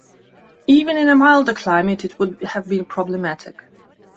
Even in a milder climate, it would have been problematic.